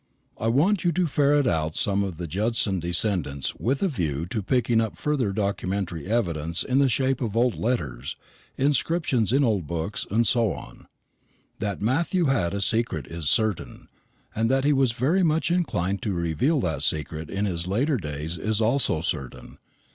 "I want you to ferret out some of the Judson descendants with a view to picking up further documentary evidence in the shape of old letters, inscriptions in old books, and so on. That Matthew had a secret is certain; and that he was very much inclined to reveal that secret in his later days is also certain.